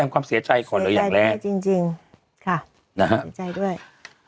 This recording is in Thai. ความเสียใจขอแล้วจริง